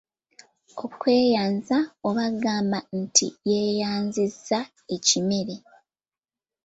Okweyanza oba gamba nti yeeyanzizza ekimere.